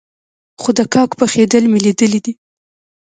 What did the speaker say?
خو د کاک پخېدل مې ليدلي دي.